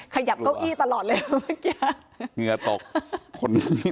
ขยับเก้าอี้ตลอดเลยเมื่อกี้